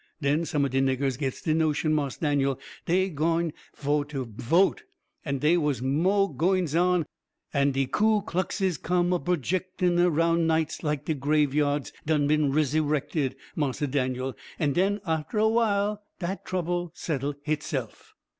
Den some on de niggers gits de notion, Marse Daniel, dey gwine foh to VOTE. An' dey was mo' gwines on, an' de Ku Kluxes come a projickin' aroun' nights, like de grave yahds done been resu'rected, Marse Daniel, an' den arter a while dat trouble settle HITse'f.